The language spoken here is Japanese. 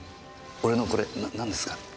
俺のこれ何ですか？